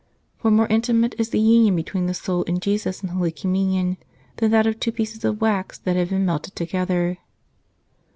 For more intimate is the union between the soul and Jesus in Holy Communion than that of two pieces of wax that have been melted together.